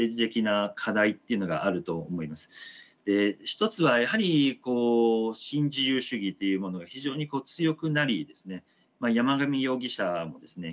一つはやはり新自由主義というものが非常に強くなり山上容疑者もですね